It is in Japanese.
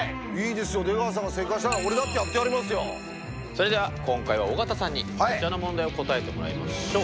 それでは今回は尾形さんにこちらの問題を答えてもらいましょう！